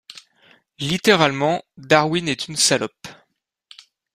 littéralement «Darwin est une salope».